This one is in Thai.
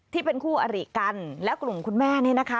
ที่เป็นคู่อริกันและกลุ่มคุณแม่นี่นะคะ